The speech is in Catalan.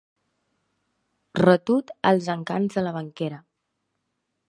Retut als encants de la banquera.